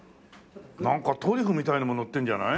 なんかトリュフみたいなのものってるんじゃない？